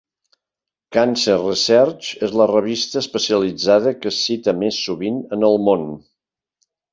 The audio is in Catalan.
"Cancer Research" és la revista especialitzada que es cita més sovint en el món.